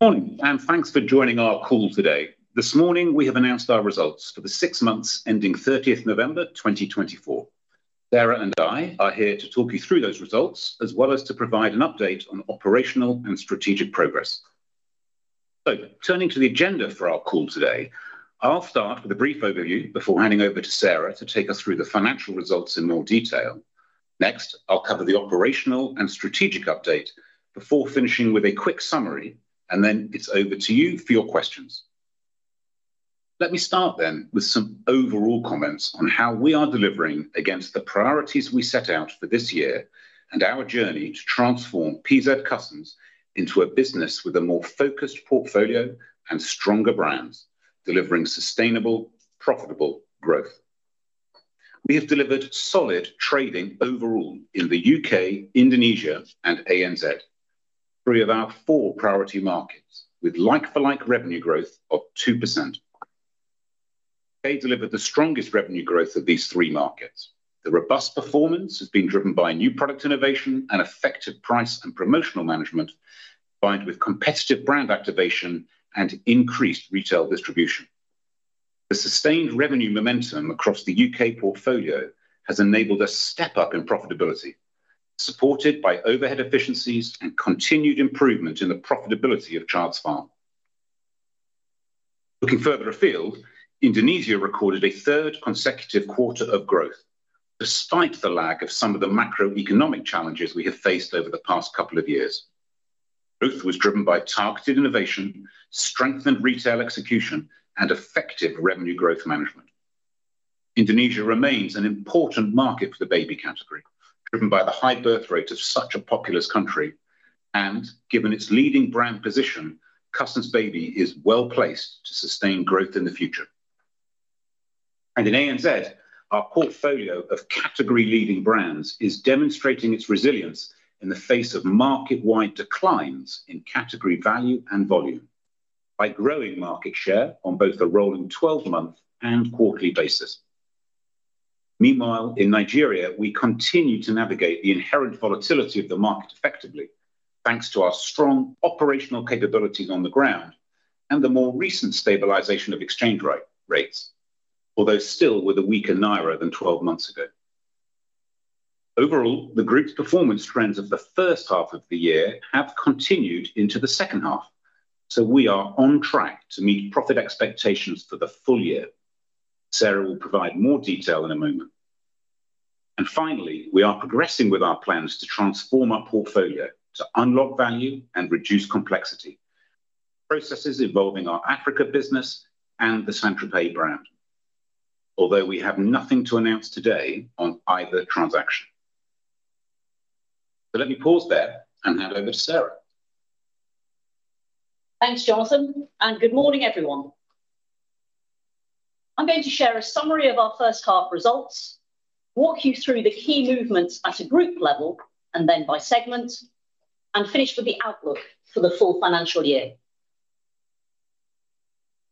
Morning, and thanks for joining our call today. This morning, we have announced our results for the six months ending 30 November 2024. Sarah and I are here to talk you through those results, as well as to provide an update on operational and strategic progress. So, turning to the agenda for our call today, I'll start with a brief overview before handing over to Sarah to take us through the financial results in more detail. Next, I'll cover the operational and strategic update before finishing with a quick summary, and then it's over to you for your questions. Let me start then with some overall comments on how we are delivering against the priorities we set out for this year and our journey to transform PZ Cussons into a business with a more focused portfolio and stronger brands, delivering sustainable, profitable growth. We have delivered solid trading overall in the U.K., Indonesia, and ANZ, three of our four priority markets, with like-for-like revenue growth of 2%. We have delivered the strongest revenue growth of these three markets. The robust performance has been driven by new product innovation and effective price and promotional management, combined with competitive brand activation and increased retail distribution. The sustained revenue momentum across the U.K. portfolio has enabled a step-up in profitability, supported by overhead efficiencies and continued improvement in the profitability of Childs Farm. Looking further afield, Indonesia recorded a third consecutive quarter of growth, despite the lag of some of the macroeconomic challenges we have faced over the past couple of years. Growth was driven by targeted innovation, strengthened retail execution, and effective revenue growth management. Indonesia remains an important market for the baby category, driven by the high birth rate of such a populous country, and given its leading brand position, Cussons Baby is well placed to sustain growth in the future, and in ANZ, our portfolio of category-leading brands is demonstrating its resilience in the face of market-wide declines in category value and volume, by growing market share on both a rolling 12-month and quarterly basis. Meanwhile, in Nigeria, we continue to navigate the inherent volatility of the market effectively, thanks to our strong operational capabilities on the ground and the more recent stabilization of exchange rates, although still with a weaker naira than 12 months ago. Overall, the group's performance trends of the first half of the year have continued into the second half, so we are on track to meet profit expectations for the full year. Sarah will provide more detail in a moment. And finally, we are progressing with our plans to transform our portfolio to unlock value and reduce complexity processes involving our Africa business and the St. Tropez brand, although we have nothing to announce today on either transaction. So let me pause there and hand over to Sarah. Thanks, Jonathan, and good morning, everyone. I'm going to share a summary of our first half results, walk you through the key movements at a group level and then by segment, and finish with the outlook for the full financial year.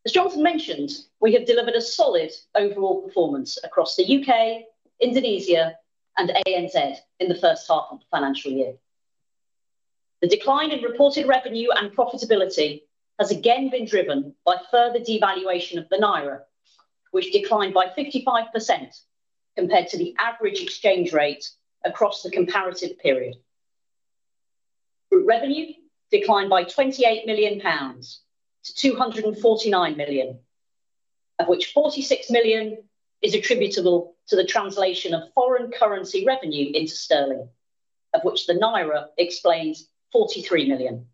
As Jonathan mentioned, we have delivered a solid overall performance across the U.K., Indonesia, and ANZ in the first half of the financial year. The decline in reported revenue and profitability has again been driven by further devaluation of the Naira, which declined by 55% compared to the average exchange rate across the comparative period. Revenue declined by 28 million pounds to 249 million, of which 46 million is attributable to the translation of foreign currency revenue into sterling, of which the Naira explains 43 million,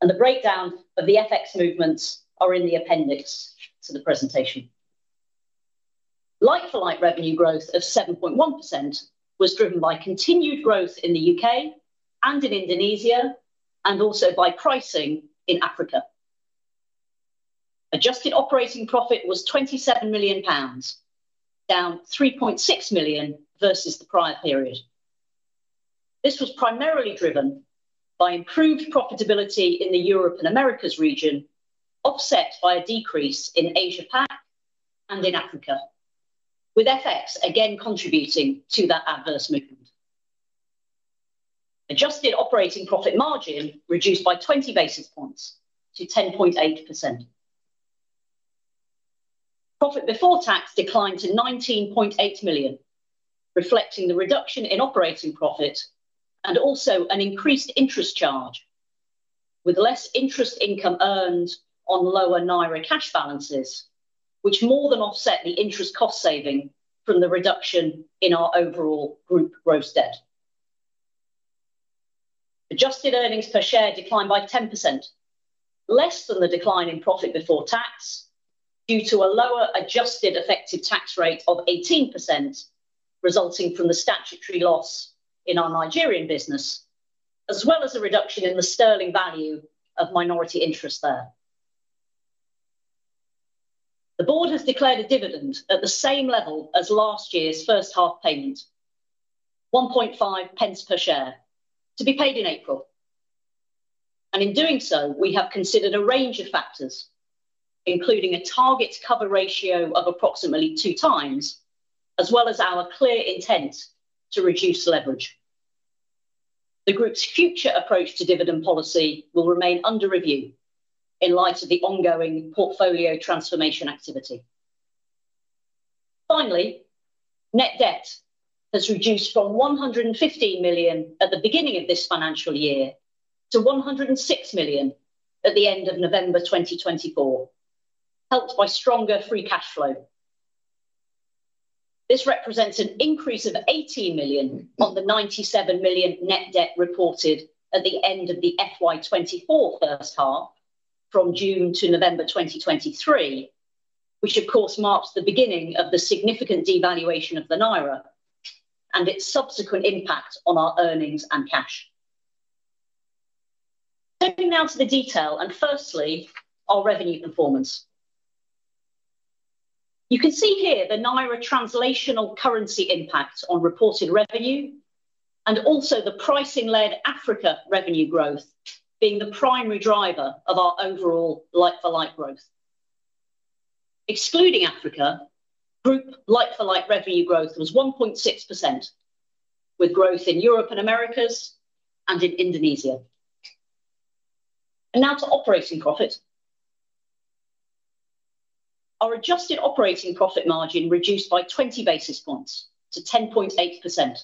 and the breakdown of the FX movements is in the appendix to the presentation. Like-for-like revenue growth of 7.1% was driven by continued growth in the U.K. and in Indonesia, and also by pricing in Africa. Adjusted operating profit was 27 million pounds, down 3.6 million versus the prior period. This was primarily driven by improved profitability in the Europe and Americas region, offset by a decrease in Asia-Pac and in Africa, with FX again contributing to that adverse movement. Adjusted operating profit margin reduced by 20 basis points to 10.8%. Profit before tax declined to 19.8 million, reflecting the reduction in operating profit and also an increased interest charge, with less interest income earned on lower Naira cash balances, which more than offset the interest cost saving from the reduction in our overall group gross debt. Adjusted earnings per share declined by 10%, less than the decline in profit before tax due to a lower adjusted effective tax rate of 18%, resulting from the statutory loss in our Nigerian business, as well as a reduction in the sterling value of minority interest there. The board has declared a dividend at the same level as last year's first half payment, 1.50 per share, to be paid in April. And in doing so, we have considered a range of factors, including a target cover ratio of approximately two times, as well as our clear intent to reduce leverage. The group's future approach to dividend policy will remain under review in light of the ongoing portfolio transformation activity. Finally, net debt has reduced from 115 million at the beginning of this financial year to 106 million at the end of November 2024, helped by stronger free cash flow. This represents an increase of 18 million on the 97 million net debt reported at the end of the FY24 first half from June to November 2023, which, of course, marks the beginning of the significant devaluation of the Naira and its subsequent impact on our earnings and cash. Turning now to the detail, and firstly, our revenue performance. You can see here the Naira translational currency impact on reported revenue, and also the pricing-led Africa revenue growth being the primary driver of our overall like-for-like growth. Excluding Africa, group like-for-like revenue growth was 1.6%, with growth in Europe and Americas and in Indonesia. Now to operating profit. Our adjusted operating profit margin reduced by 20 basis points to 10.8%,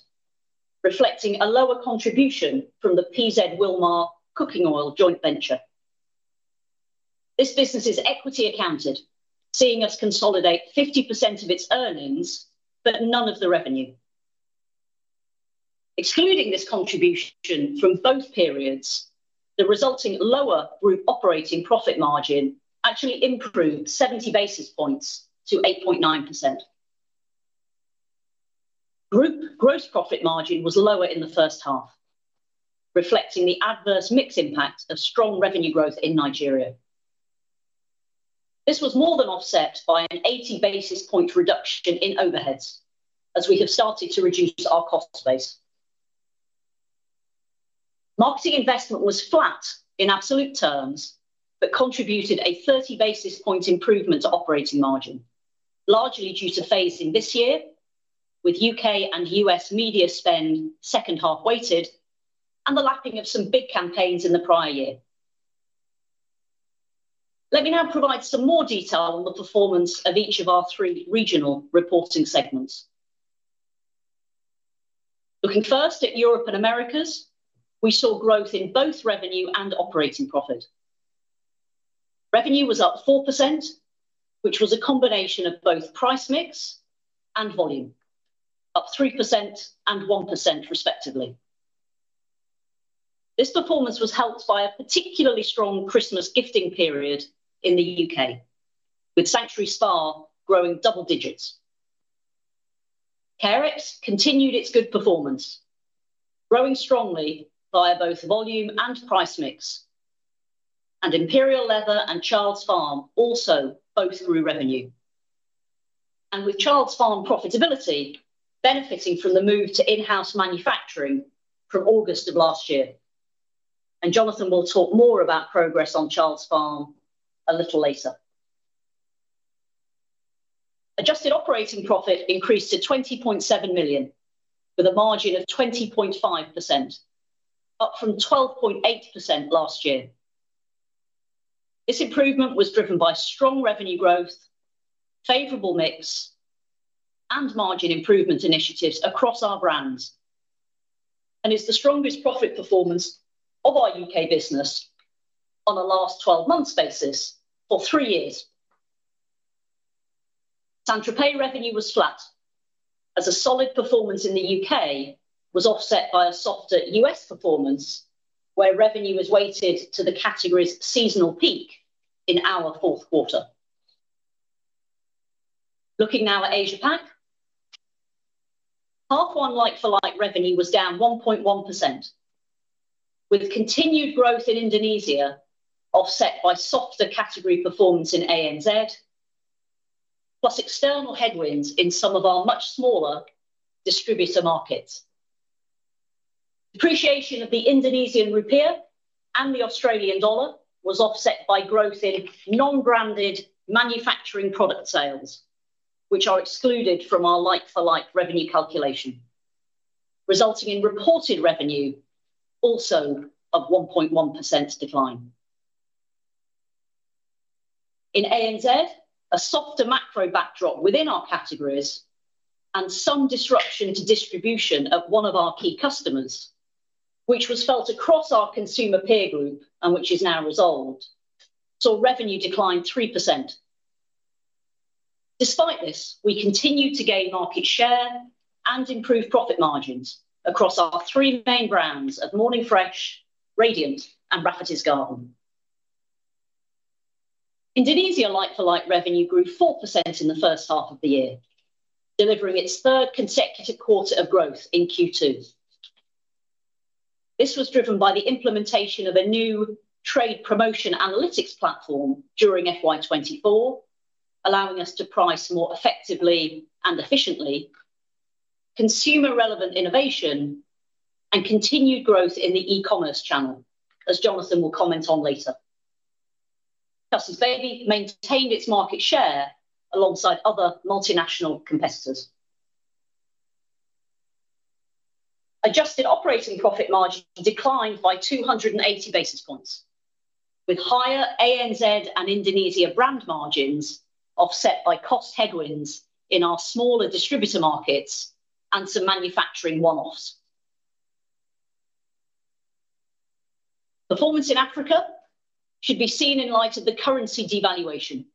reflecting a lower contribution from the PZ Wilmar cooking oil joint venture. This business is equity accounted, seeing us consolidate 50% of its earnings, but none of the revenue. Excluding this contribution from both periods, the resulting lower group operating profit margin actually improved 70 basis points to 8.9%. Group gross profit margin was lower in the first half, reflecting the adverse mix impact of strong revenue growth in Nigeria. This was more than offset by an 80 basis point reduction in overheads, as we have started to reduce our cost base. Marketing investment was flat in absolute terms, but contributed a 30 basis point improvement to operating margin, largely due to phasing this year, with U.K. and U.S. media spend second half weighted and the lapping of some big campaigns in the prior year. Let me now provide some more detail on the performance of each of our three regional reporting segments. Looking first at Europe and Americas, we saw growth in both revenue and operating profit. Revenue was up 4%, which was a combination of both price mix and volume, up 3% and 1% respectively. This performance was helped by a particularly strong Christmas gifting period in the U.K., with Sanctuary Spa growing double digits. Carex continued its good performance, growing strongly via both volume and price mix, and Imperial Leather and Childs Farm also both grew revenue. And with Childs Farm profitability benefiting from the move to in-house manufacturing from August of last year, and Jonathan will talk more about progress on Childs Farm a little later. Adjusted operating profit increased to £20.7 million, with a margin of 20.5%, up from 12.8% last year. This improvement was driven by strong revenue growth, favorable mix, and margin improvement initiatives across our brands, and is the strongest profit performance of our U.K. business on a last 12-month basis for three years. St. Tropez revenue was flat, as a solid performance in the U.K. was offset by a softer US performance, where revenue was weighted to the category's seasonal peak in our fourth quarter. Looking now at Asia-Pac, half-one like-for-like revenue was down 1.1%, with continued growth in Indonesia offset by softer category performance in ANZ, plus external headwinds in some of our much smaller distributor markets. Depreciation of the Indonesian rupiah and the Australian dollar was offset by growth in non-branded manufacturing product sales, which are excluded from our like-for-like revenue calculation, resulting in reported revenue also of 1.1% decline. In ANZ, a softer macro backdrop within our categories and some disruption to distribution of one of our key customers, which was felt across our consumer peer group and which is now resolved, saw revenue decline 3%. Despite this, we continue to gain market share and improve profit margins across our three main brands of Morning Fresh, Radiant, and Rafferty's Garden. Indonesia's like-for-like revenue grew 4% in the first half of the year, delivering its third consecutive quarter of growth in Q2. This was driven by the implementation of a new trade promotion analytics platform during FY24, allowing us to price more effectively and efficiently, consumer-relevant innovation, and continued growth in the e-commerce channel, as Jonathan will comment on later. Cussons Baby maintained its market share alongside other multinational competitors. Adjusted operating profit margin declined by 280 basis points, with higher ANZ and Indonesia brand margins offset by cost headwinds in our smaller distributor markets and some manufacturing one-offs. Performance in Africa should be seen in light of the currency devaluation,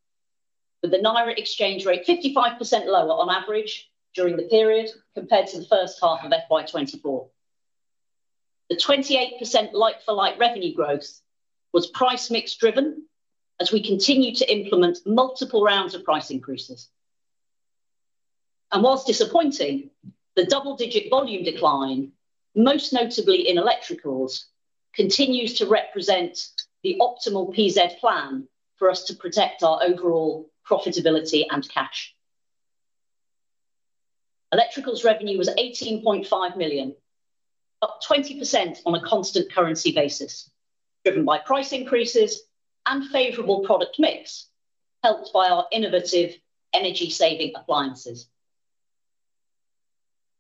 with the Naira exchange rate 55% lower on average during the period compared to the first half of FY24. The 28% like-for-like revenue growth was price mix driven, as we continue to implement multiple rounds of price increases. Whilst disappointing, the double-digit volume decline, most notably in electricals, continues to represent the optimal PZ plan for us to protect our overall profitability and cash. Electricals revenue was £18.5 million, up 20% on a constant currency basis, driven by price increases and favorable product mix, helped by our innovative energy-saving appliances.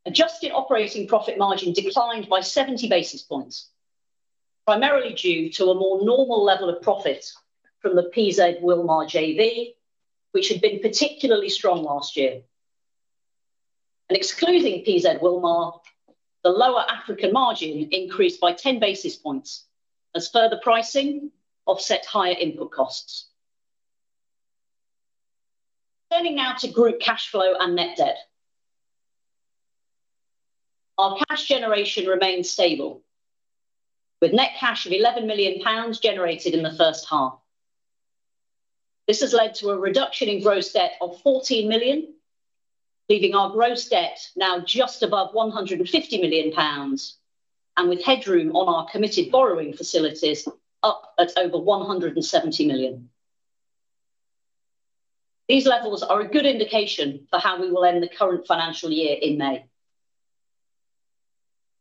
Adjusted operating profit margin declined by 70 basis points, primarily due to a more normal level of profit from the PZ Wilmar JV, which had been particularly strong last year. Excluding PZ Wilmar, the lower African margin increased by 10 basis points as further pricing offset higher input costs. Turning now to group cash flow and net debt. Our cash generation remained stable, with net cash of 11 million pounds generated in the first half. This has led to a reduction in gross debt of 14 million, leaving our gross debt now just above 150 million pounds, and with headroom on our committed borrowing facilities up at over 170 million. These levels are a good indication for how we will end the current financial year in May.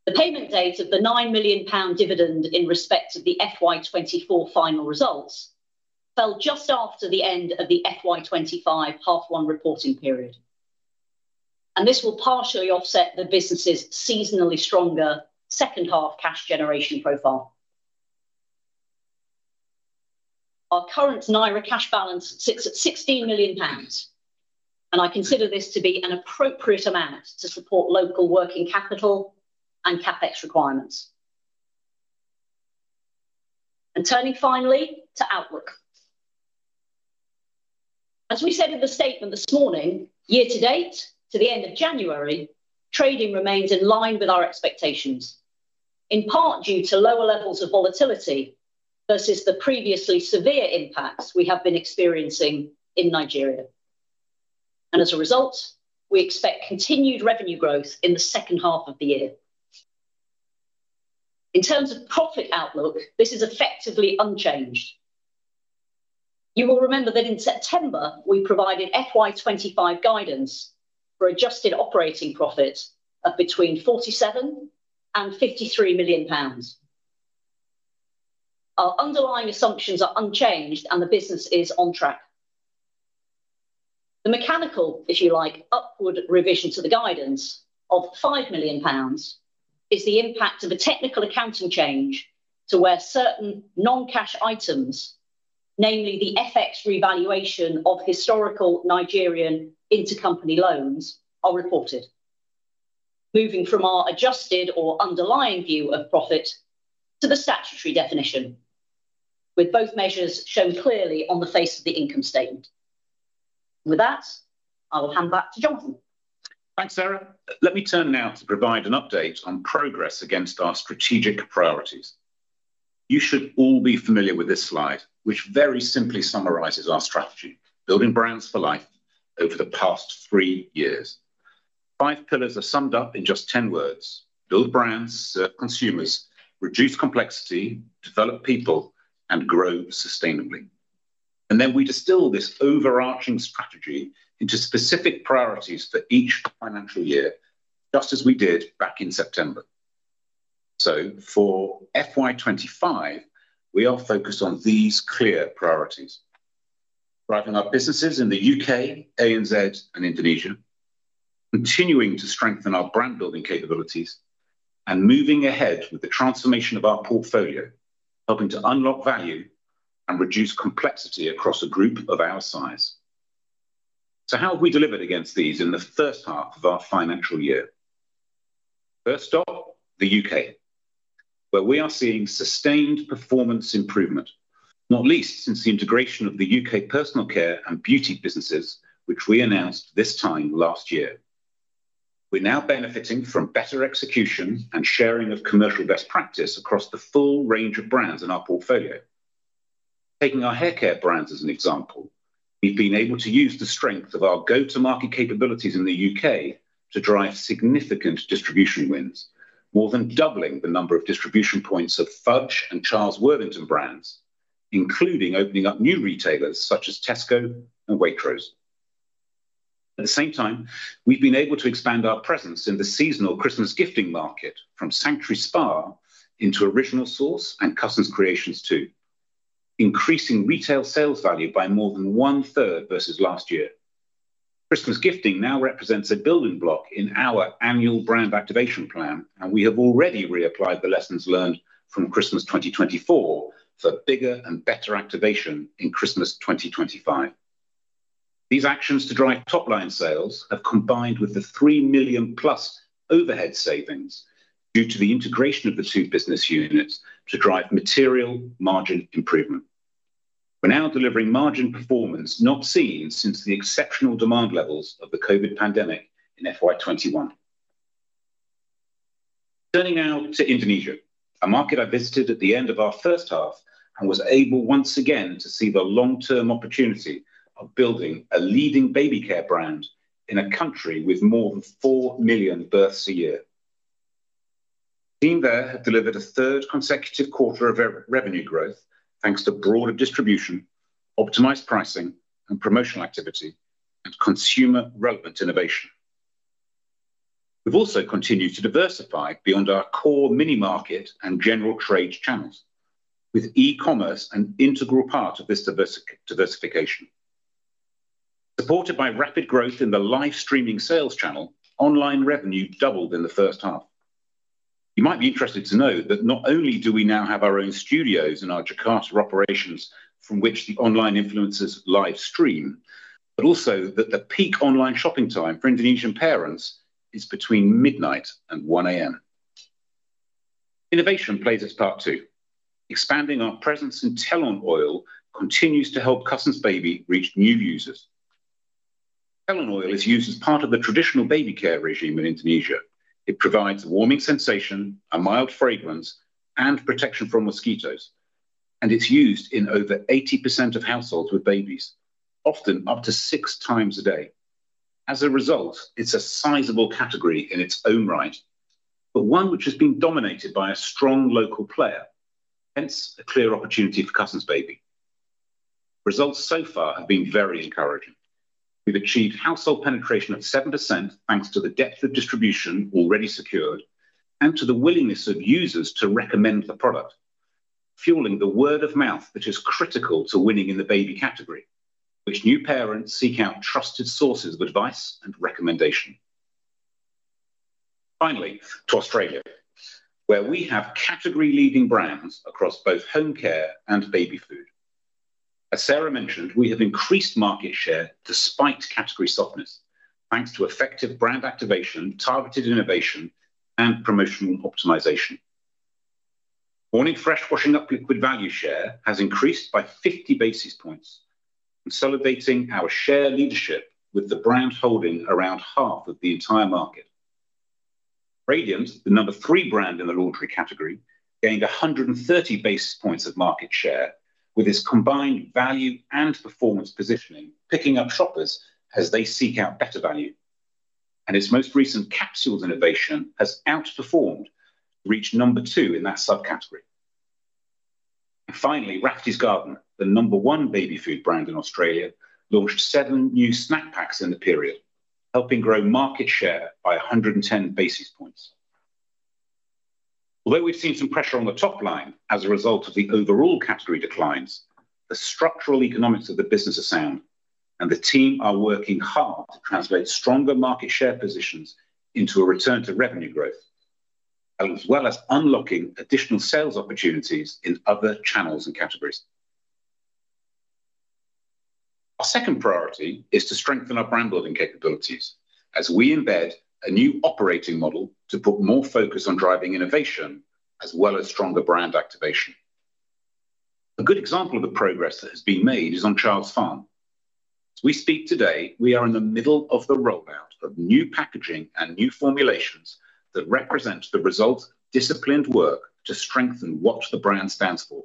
The payment date of the nine million pound dividend in respect of the FY24 final results fell just after the end of the FY25 half-one reporting period, and this will partially offset the business's seasonally stronger second half cash generation profile. Our current Naira cash balance sits at £16 million, and I consider this to be an appropriate amount to support local working capital and CapEx requirements, and turning finally to outlook. As we said in the statement this morning, year to date, to the end of January, trading remains in line with our expectations, in part due to lower levels of volatility versus the previously severe impacts we have been experiencing in Nigeria, and as a result, we expect continued revenue growth in the second half of the year. In terms of profit outlook, this is effectively unchanged. You will remember that in September, we provided FY25 guidance for adjusted operating profit of between £47 and £53 million. Our underlying assumptions are unchanged, and the business is on track. The mechanical, if you like, upward revision to the guidance of 5 million pounds is the impact of a technical accounting change to where certain non-cash items, namely the FX revaluation of historical Nigerian intercompany loans, are reported, moving from our adjusted or underlying view of profit to the statutory definition, with both measures shown clearly on the face of the income statement. With that, I will hand back to Jonathan. Thanks, Sarah. Let me turn now to provide an update on progress against our strategic priorities. You should all be familiar with this slide, which very simply summarizes our strategy: building brands for life over the past three years. Five pillars are summed up in just ten words: build brands, serve consumers, reduce complexity, develop people, and grow sustainably. And then we distill this overarching strategy into specific priorities for each financial year, just as we did back in September. So for FY25, we are focused on these clear priorities: driving our businesses in the U.K., ANZ, and Indonesia, continuing to strengthen our brand-building capabilities, and moving ahead with the transformation of our portfolio, helping to unlock value and reduce complexity across a group of our size. So how have we delivered against these in the first half of our financial year? First stop, the U.K., where we are seeing sustained performance improvement, not least since the integration of the U.K. personal care and beauty businesses, which we announced this time last year. We're now benefiting from better execution and sharing of commercial best practice across the full range of brands in our portfolio. Taking our haircare brands as an example, we've been able to use the strength of our go-to-market capabilities in the U.K. to drive significant distribution wins, more than doubling the number of distribution points of Fudge and Charles Worthington brands, including opening up new retailers such as Tesco and Waitrose. At the same time, we've been able to expand our presence in the seasonal Christmas gifting market from Sanctuary Spa into Original Source and Cussons Creations too, increasing retail sales value by more than one-third versus last year. Christmas gifting now represents a building block in our annual brand activation plan, and we have already reapplied the lessons learned from Christmas 2024 for bigger and better activation in Christmas 2025. These actions to drive top-line sales have combined with the £3 million-plus overhead savings due to the integration of the two business units to drive material margin improvement. We're now delivering margin performance not seen since the exceptional demand levels of the COVID pandemic in FY21. Turning now to Indonesia, a market I visited at the end of our first half and was able once again to see the long-term opportunity of building a leading baby care brand in a country with more than four million births a year. The team there had delivered a third consecutive quarter of revenue growth thanks to broader distribution, optimized pricing and promotional activity, and consumer-relevant innovation. We've also continued to diversify beyond our core mini-market and general trade channels, with e-commerce an integral part of this diversification. Supported by rapid growth in the live streaming sales channel, online revenue doubled in the first half. You might be interested to know that not only do we now have our own studios in our Jakarta operations from which the online influencers live stream, but also that the peak online shopping time for Indonesian parents is between midnight and 1:00 A.M. Innovation plays its part too. Expanding our presence in telon oil continues to help Cussons Baby reach new users. Telon oil is used as part of the traditional baby care regime in Indonesia. It provides a warming sensation, a mild fragrance, and protection from mosquitoes, and it's used in over 80% of households with babies, often up to six times a day. As a result, it's a sizable category in its own right, but one which has been dominated by a strong local player, hence a clear opportunity for Cussons Baby. Results so far have been very encouraging. We've achieved household penetration of 7% thanks to the depth of distribution already secured and to the willingness of users to recommend the product, fueling the word of mouth that is critical to winning in the baby category, which new parents seek out trusted sources of advice and recommendation. Finally, to Australia, where we have category-leading brands across both home care and baby food. As Sarah mentioned, we have increased market share despite category softness, thanks to effective brand activation, targeted innovation, and promotional optimization. Morning Fresh's washing-up liquid value share has increased by 50 basis points, consolidating our share leadership with the brand holding around half of the entire market. Radiant, the number three brand in the laundry category, gained 130 basis points of market share with its combined value and performance positioning, picking up shoppers as they seek out better value. Its most recent capsules innovation has outperformed, reached number two in that subcategory. Finally, Rafferty's Garden, the number one baby food brand in Australia, launched seven new snack packs in the period, helping grow market share by 110 basis points. Although we've seen some pressure on the top line as a result of the overall category declines, the structural economics of the business are sound, and the team are working hard to translate stronger market share positions into a return to revenue growth, as well as unlocking additional sales opportunities in other channels and categories. Our second priority is to strengthen our brand-building capabilities as we embed a new operating model to put more focus on driving innovation as well as stronger brand activation. A good example of the progress that has been made is on Childs Farm. As we speak today, we are in the middle of the rollout of new packaging and new formulations that represent the result of disciplined work to strengthen what the brand stands for: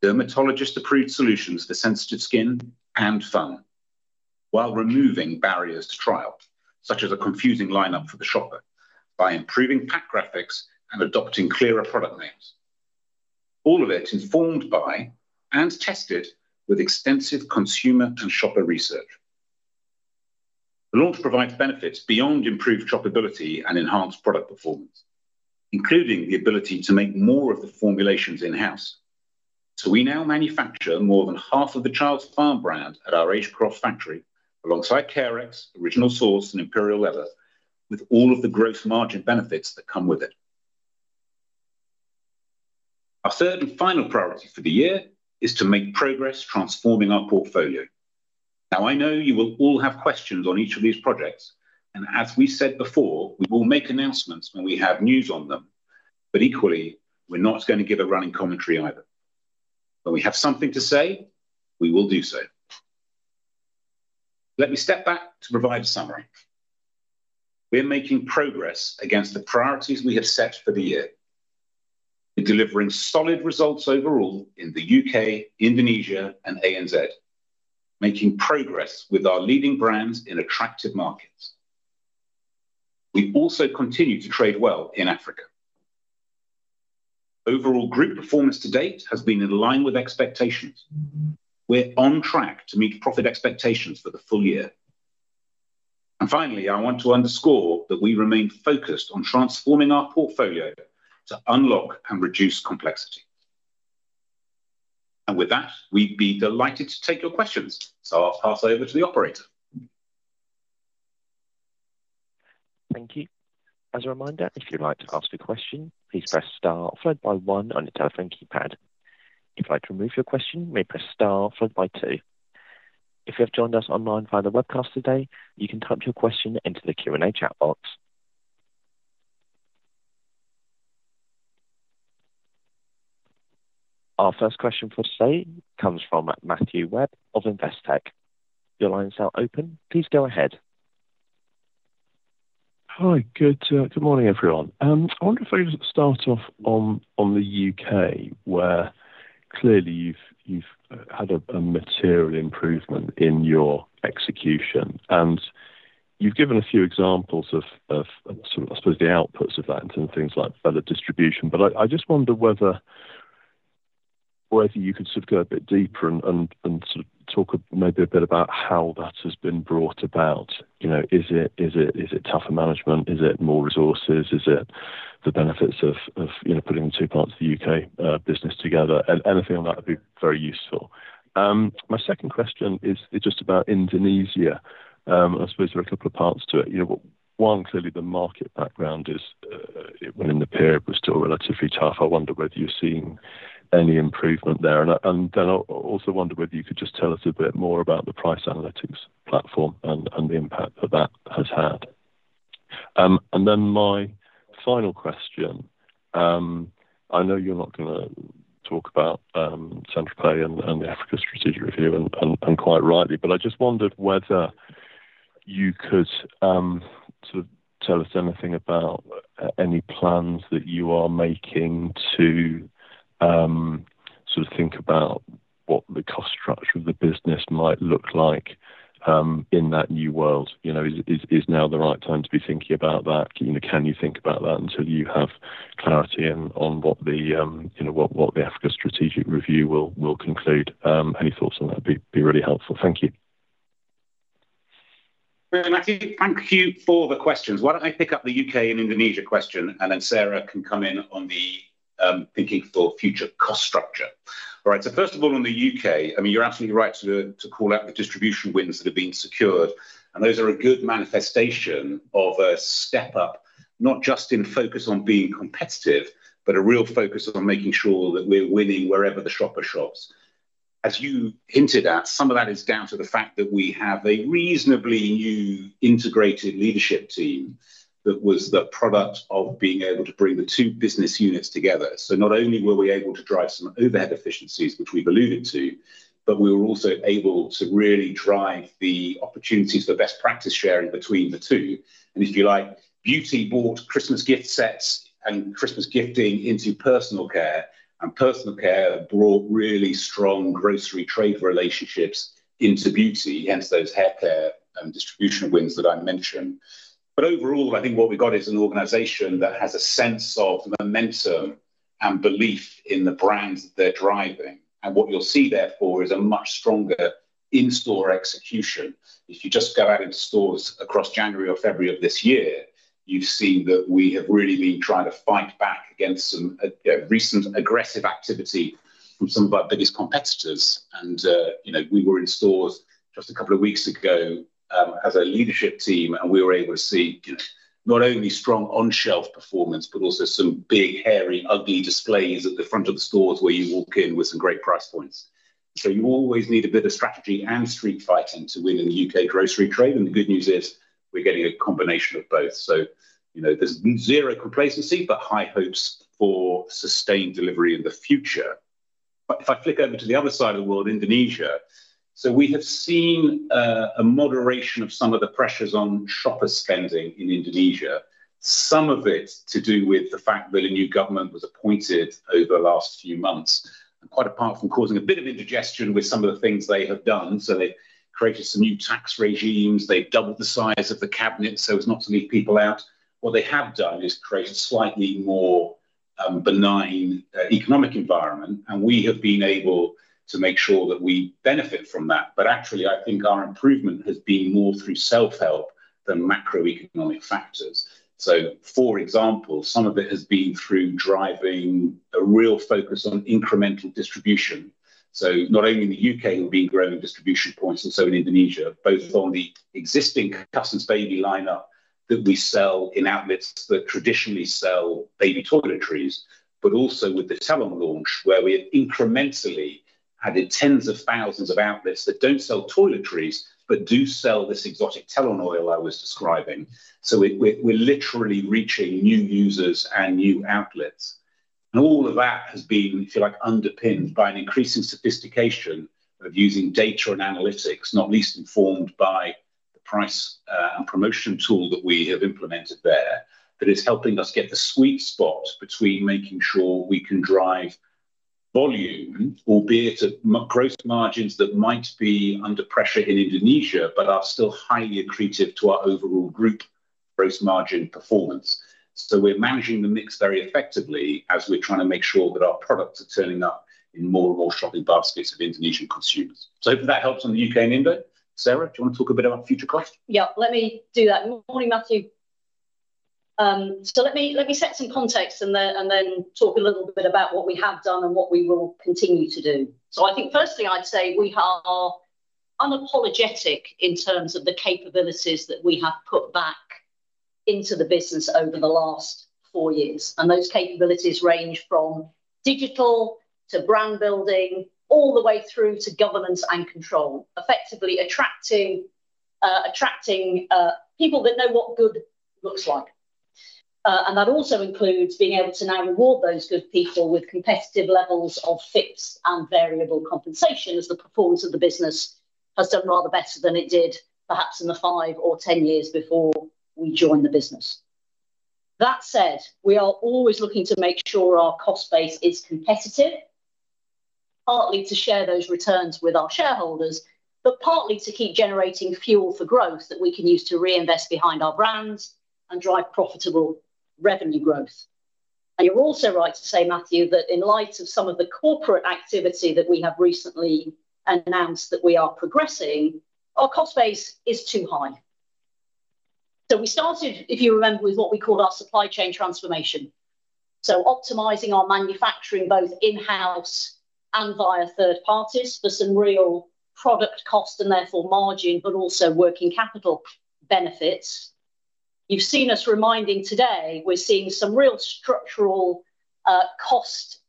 dermatologist-approved solutions for sensitive skin and more, while removing barriers to trial, such as a confusing lineup for the shopper, by improving pack graphics and adopting clearer product names. All of it informed by and tested with extensive consumer and shopper research. The launch provides benefits beyond improved shoppability and enhanced product performance, including the ability to make more of the formulations in-house. So we now manufacture more than half of the Childs Farm brand at our Agecroft factory alongside Carex, Original Source, and Imperial Leather, with all of the gross margin benefits that come with it. Our third and final priority for the year is to make progress transforming our portfolio. Now, I know you will all have questions on each of these projects, and as we said before, we will make announcements when we have news on them, but equally, we're not going to give a running commentary either. When we have something to say, we will do so. Let me step back to provide a summary. We're making progress against the priorities we have set for the year. We're delivering solid results overall in the U.K., Indonesia, and ANZ, making progress with our leading brands in attractive markets. We also continue to trade well in Africa. Overall group performance to date has been in line with expectations. We're on track to meet profit expectations for the full year, and finally, I want to underscore that we remain focused on transforming our portfolio to unlock and reduce complexity, and with that, we'd be delighted to take your questions. So I'll pass over to the operator. Thank you. As a reminder, if you'd like to ask a question, please press Star followed by One on your telephone keypad. If you'd like to remove your question, you may press Star followed by Two. If you have joined us online via the webcast today, you can type your question into the Q&A chat box. Our first question for today comes from Matthew Webb of Investec. Your line is now open. Please go ahead. Hi, good morning, everyone. I wonder if I could start off on the U.K., where clearly you've had a material improvement in your execution, and you've given a few examples of, I suppose, the outputs of that in terms of things like better distribution. But I just wonder whether you could go a bit deeper and talk maybe a bit about how that has been brought about. Is it tougher management? Is it more resources? Is it the benefits of putting the two parts of the U.K. business together? Anything on that would be very useful. My second question is just about Indonesia. I suppose there are a couple of parts to it. One, clearly the market background when the period was still relatively tough. I wonder whether you've seen any improvement there. And then I also wonder whether you could just tell us a bit more about the price analytics platform and the impact that that has had. Then my final question, I know you're not going to talk about St. Tropez and the Africa strategic review, and quite rightly, but I just wondered whether you could tell us anything about any plans that you are making to think about what the cost structure of the business might look like in that new world. Is now the right time to be thinking about that? Can you think about that until you have clarity on what the Africa strategic review will conclude? Any thoughts on that would be really helpful. Thank you. Matthew, thank you for the questions. Why don't I pick up the U.K. and Indonesia question, and then Sarah can come in on the thinking for future cost structure. All right. So first of all, on the U.K., I mean, you're absolutely right to call out the distribution wins that have been secured. And those are a good manifestation of a step up, not just in focus on being competitive, but a real focus on making sure that we're winning wherever the shopper shops. As you hinted at, some of that is down to the fact that we have a reasonably new integrated leadership team that was the product of being able to bring the two business units together. So not only were we able to drive some overhead efficiencies, which we've alluded to, but we were also able to really drive the opportunities for best practice sharing between the two. And if you like, beauty bought Christmas gift sets and Christmas gifting into personal care, and personal care brought really strong grocery trade relationships into beauty, hence those haircare and distribution wins that I mentioned. But overall, I think what we've got is an organization that has a sense of momentum and belief in the brands that they're driving. And what you'll see therefore is a much stronger in-store execution. If you just go out into stores across January or February of this year, you've seen that we have really been trying to fight back against some recent aggressive activity from some of our biggest competitors. And we were in stores just a couple of weeks ago as a leadership team, and we were able to see not only strong on-shelf performance, but also some big, hairy, ugly displays at the front of the stores where you walk in with some great price points. So you always need a bit of strategy and street fighting to win in the U.K. grocery trade. And the good news is we're getting a combination of both. So there's zero complacency, but high hopes for sustained delivery in the future. If I flick over to the other side of the world, Indonesia. So we have seen a moderation of some of the pressures on shopper spending in Indonesia, some of it to do with the fact that a new government was appointed over the last few months, and quite apart from causing a bit of indigestion with some of the things they have done. So they've created some new tax regimes. They've doubled the size of the cabinets so as not to leave people out. What they have done is create a slightly more benign economic environment, and we have been able to make sure that we benefit from that. But actually, I think our improvement has been more through self-help than macroeconomic factors. So for example, some of it has been through driving a real focus on incremental distribution. So not only in the U.K., we've been growing distribution points, and so in Indonesia, both on the existing Cussons Baby lineup that we sell in outlets that traditionally sell baby toiletries, but also with the Telon launch, where we have incrementally added tens of thousands of outlets that don't sell toiletries, but do sell this exotic Telon oil I was describing. So we're literally reaching new users and new outlets. And all of that has been, if you like, underpinned by an increasing sophistication of using data and analytics, not least informed by the price and promotion tool that we have implemented there, that is helping us get the sweet spot between making sure we can drive volume, albeit at gross margins that might be under pressure in Indonesia, but are still highly accretive to our overall group gross margin performance. So we're managing the mix very effectively as we're trying to make sure that our products are turning up in more and more shopping baskets of Indonesian consumers. So I hope that helps on the U.K. and India. Sarah, do you want to talk a bit about future costs? Let me do that. Morning, Matthew. So let me set some context and then talk a little bit about what we have done and what we will continue to do. So I think first thing I'd say, we are unapologetic in terms of the capabilities that we have put back into the business over the last four years. And those capabilities range from digital to brand building, all the way through to governance and control, effectively attracting people that know what good looks like. And that also includes being able to now reward those good people with competitive levels of fixed and variable compensation, as the performance of the business has done rather better than it did perhaps in the five or ten years before we joined the business. That said, we are always looking to make sure our cost base is competitive, partly to share those returns with our shareholders, but partly to keep generating fuel for growth that we can use to reinvest behind our brands and drive profitable revenue growth. And you're also right to say, Matthew, that in light of some of the corporate activity that we have recently announced that we are progressing, our cost base is too high. So we started, if you remember, with what we called our supply chain transformation. So optimizing our manufacturing both in-house and via third parties for some real product cost and therefore margin, but also working capital benefits. You've seen us reminding today we're seeing some real structural cost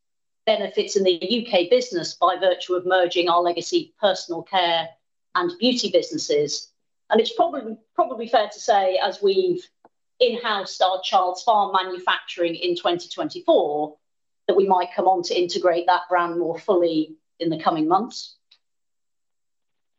benefits in the U.K. business by virtue of merging our legacy personal care and beauty businesses. And it's probably fair to say, as we've in-house started Childs Farm manufacturing in 2024, that we might come on to integrate that brand more fully in the coming months.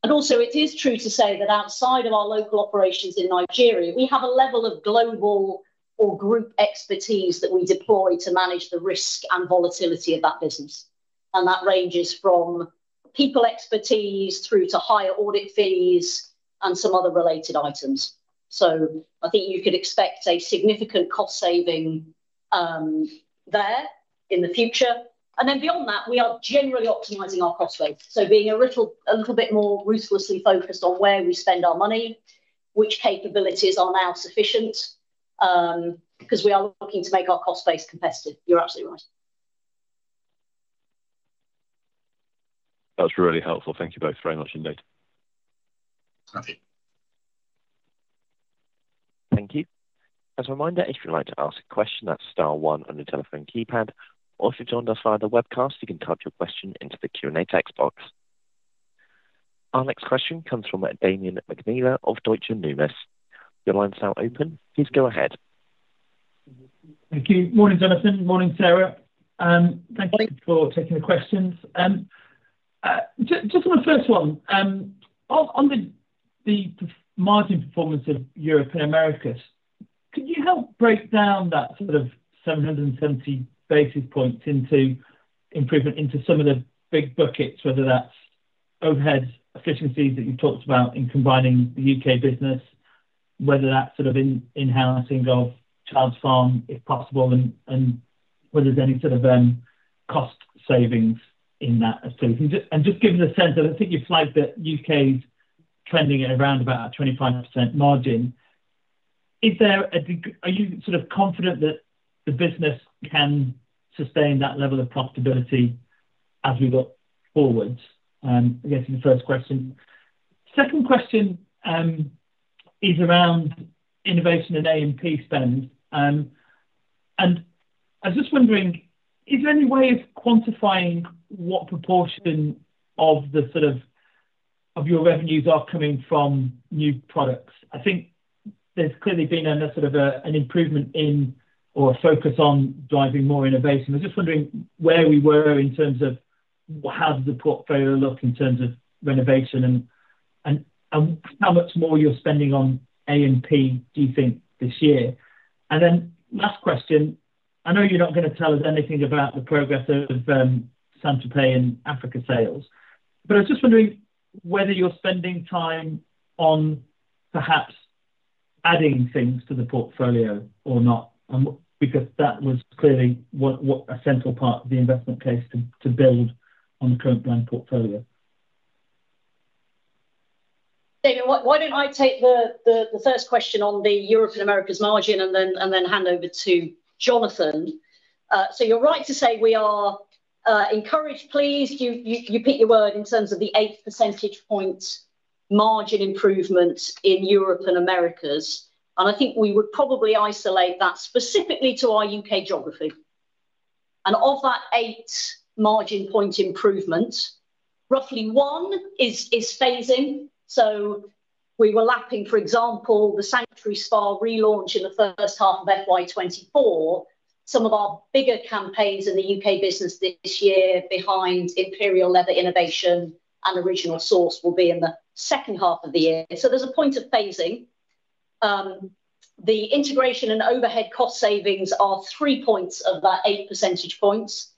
And also, it is true to say that outside of our local operations in Nigeria, we have a level of global or group expertise that we deploy to manage the risk and volatility of that business. And that ranges from people expertise through to higher audit fees and some other related items. So I think you could expect a significant cost saving there in the future. And then beyond that, we are generally optimizing our cost base. So being a little bit more ruthlessly focused on where we spend our money, which capabilities are now sufficient because we are looking to make our cost base competitive. You're absolutely right. That's really helpful. Thank you both very much, indeed. Thank you. As a reminder, if you'd like to ask a question, that's Star 1 on the telephone keypad. Or if you've joined us via the webcast, you can type your question into the Q&A text box. Our next question comes from Damien McNeela of Deutsche Numis. Your line's now open. Please go ahead. Thank you. Morning, Jonathan. Morning, Sarah. Thank you for taking the questions. Just on the first one, on the margin performance of Europe and Americas, could you help break down that 770 basis points into improvement into some of the big buckets, whether that's overhead efficiencies that you've talked about in combining the U.K. business, whether that's in-house in golf, Childs Farm, if possible, and whether there's any cost savings in that as well. And just give us a sense of, I think you flagged that U.K.'s trending at around about a 25% margin. Are you confident that the business can sustain that level of profitability as we look forward? I guess the first question. Second question is around innovation and A&P spend. And I was just wondering, is there any way of quantifying what proportion of your revenues are coming from new products? I think there's clearly been a an improvement in or a focus on driving more innovation. I was just wondering where we were in terms of how does the portfolio look in terms of renovation and how much more you're spending on A&P do you think this year? And then last question, I know you're not going to tell us anything about the progress of St. Tropez and Africa sales, but I was just wondering whether you're spending time on perhaps adding things to the portfolio or not, because that was clearly a central part of the investment case to build on the current brand portfolio. David, why don't I take the first question on the Europe and Americas margin and then hand over to Jonathan. So you're right to say we are encouraged, pleased. You pick your word in terms of the eight percentage points margin improvement in Europe and Americas. And I think we would probably isolate that specifically to our U.K. geography. And of that eight margin point improvement, roughly one is phasing. So we were lapping, for example, the Sanctuary Spa relaunch in the first half of FY24. Some of our bigger campaigns in the U.K. business this year behind Imperial Leather Innovation and Original Source will be in the second half of the year. So there's a point of phasing. The integration and overhead cost savings are three points of that eight percentage points,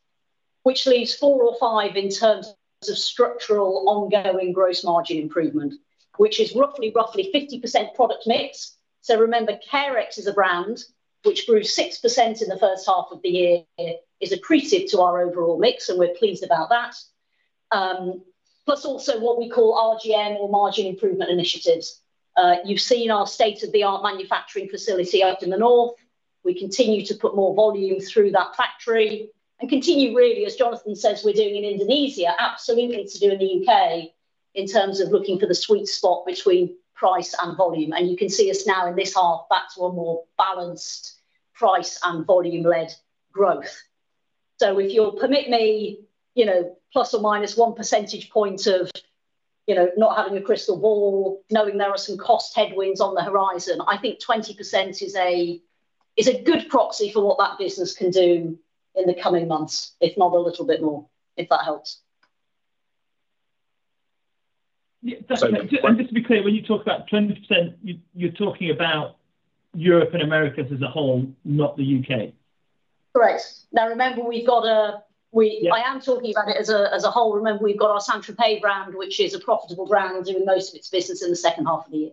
which leaves four or five in terms of structural ongoing gross margin improvement, which is roughly, roughly 50% product mix. Remember, Carex is a brand which grew 6% in the first half of the year, is accretive to our overall mix, and we're pleased about that. Plus also what we call RGM or margin improvement initiatives. You've seen our state-of-the-art manufacturing facility up in the north. We continue to put more volume through that factory and continue, really, as Jonathan says, we're doing in Indonesia, absolutely to do in the U.K. in terms of looking for the sweet spot between price and volume. And you can see us now in this half back to a more balanced price and volume-led growth. If you'll permit me, plus or minus one percentage point of not having a crystal ball, knowing there are some cost headwinds on the horizon, I think 20% is a good proxy for what that business can do in the coming months, if not a little bit more, if that helps. And just to be clear, when you talk about 20%, you're talking about Europe and Americas as a whole, not the U.K. Correct. Now, remember, we've got a. I am talking about it as a whole. Remember, we've got our Sanctuary Spa brand, which is a profitable brand, doing most of its business in the second half of the year.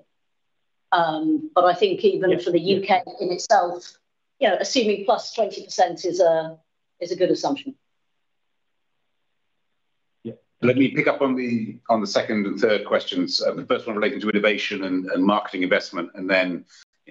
But I think even for the U.K. in itself, assuming plus 20% is a good assumption. Let me pick up on the second and third questions. The first one relating to innovation and marketing investment, and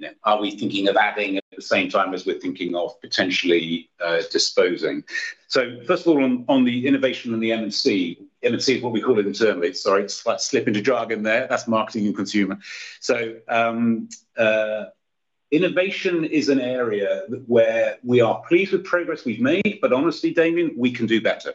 then are we thinking of adding at the same time as we're thinking of potentially disposing? So first of all, on the innovation and the M&C, M&C is what we call it internally. Sorry, slipping to jargon there. That's marketing and consumer. So innovation is an area where we are pleased with progress we've made, but honestly, Damien, we can do better.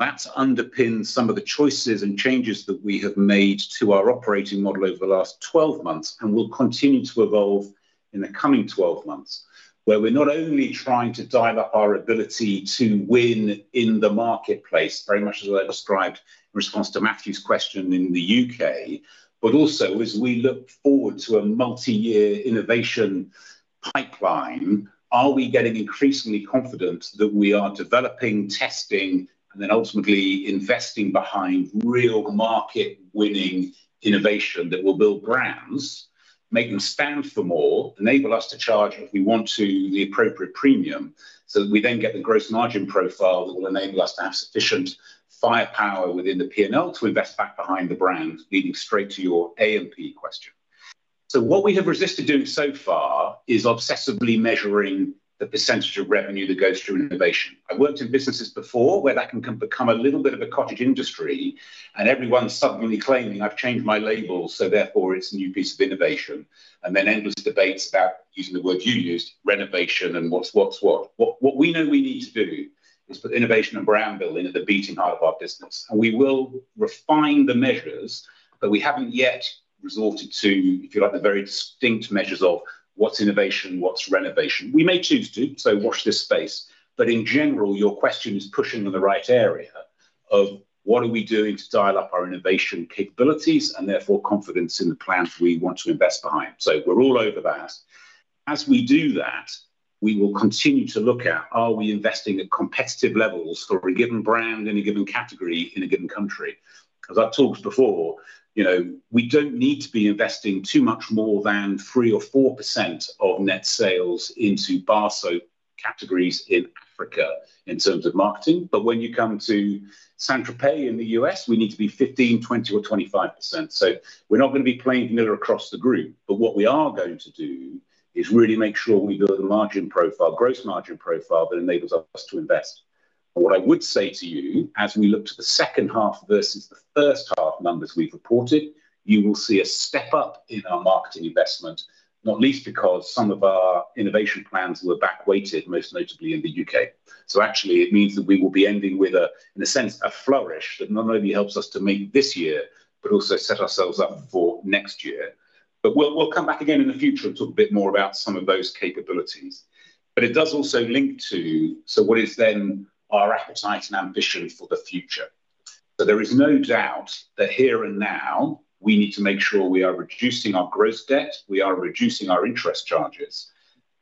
That's underpinned some of the choices and changes that we have made to our operating model over the last 12 months and will continue to evolve in the coming 12 months, where we're not only trying to dial up our ability to win in the marketplace, very much as I described in response to Matthew's question in the U.K., but also as we look forward to a multi-year innovation pipeline, are we getting increasingly confident that we are developing, testing, and then ultimately investing behind real market-winning innovation that will build brands, make them stand for more, enable us to charge if we want to the appropriate premium, so that we then get the gross margin profile that will enable us to have sufficient firepower within the P&L to invest back behind the brand, leading straight to your A&P question. So what we have resisted doing so far is obsessively measuring the percentage of revenue that goes through innovation. I've worked in businesses before where that can become a little bit of a cottage industry, and everyone's suddenly claiming, "I've changed my label, so therefore it's a new piece of innovation." And then endless debates about using the words you used, renovation and what's what's what. What we know we need to do is put innovation and brand building at the beating heart of our business. And we will refine the measures, but we haven't yet resorted to, if you like, the very distinct measures of what's innovation, what's renovation. We may choose to, so watch this space. But in general, your question is pushing in the right area of what are we doing to dial up our innovation capabilities and therefore confidence in the plans we want to invest behind. So we're all over that. As we do that, we will continue to look at, are we investing at competitive levels for a given brand in a given category in a given country? As I've talked before, we don't need to be investing too much more than three or four% of net sales into bar soap categories in Africa in terms of marketing. But when you come to St. Tropez in the U.S., we need to be 15%, 20%, or 25%. So we're not going to be playing vanilla across the group. But what we are going to do is really make sure we build a margin profile, gross margin profile that enables us to invest. And what I would say to you, as we look to the second half versus the first half numbers we've reported, you will see a step up in our marketing investment, not least because some of our innovation plans were backweighted, most notably in the U.K. So actually, it means that we will be ending with, in a sense, a flourish that not only helps us to make this year, but also set ourselves up for next year. But we'll come back again in the future and talk a bit more about some of those capabilities. But it does also link to, so what is then our appetite and ambition for the future. So there is no doubt that here and now, we need to make sure we are reducing our gross debt, we are reducing our interest charges,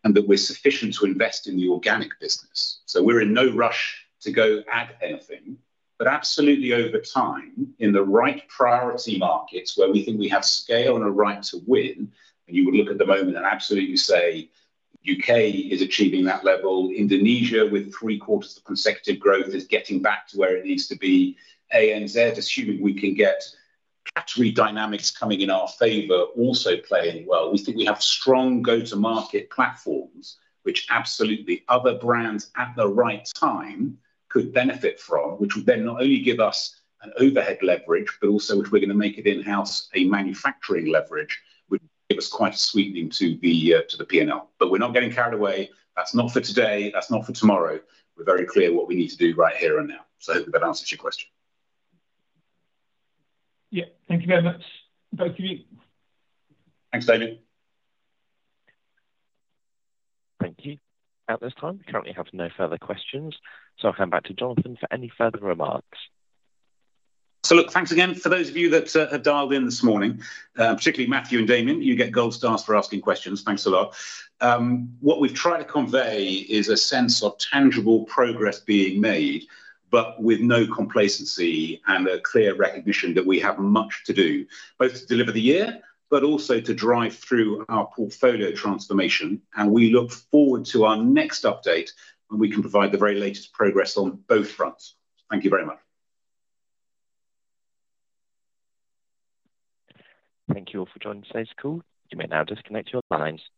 and that we're sufficient to invest in the organic business. So we're in no rush to go add anything, but absolutely over time, in the right priority markets where we think we have scale and a right to win, and you would look at the moment and absolutely say U.K. is achieving that level, Indonesia with three quarters of consecutive growth is getting back to where it needs to be, ANZ, assuming we can get category dynamics coming in our favor, also playing well. We think we have strong go-to-market platforms, which absolutely other brands at the right time could benefit from, which would then not only give us an overhead leverage, but also if we're going to make it in-house, a manufacturing leverage, would give us quite a sweetening to the P&L. But we're not getting carried away. That's not for today. That's not for tomorrow. We're very clear what we need to do right here and now. So I hope that answers your question. Thank you very much. Thanks to you. Thanks, David. Thank you. At this time, we currently have no further questions. So I'll hand back to Jonathan for any further remarks. So look, thanks again. For those of you that have dialed in this morning, particularly Matthew and Damien, you get gold stars for asking questions. Thanks a lot. What we've tried to convey is a sense of tangible progress being made, but with no complacency and a clear recognition that we have much to do, both to deliver the year, but also to drive through our portfolio transformation. And we look forward to our next update when we can provide the very latest progress on both fronts. Thank you very much. Thank you all for joining today's call. You may now disconnect your lines.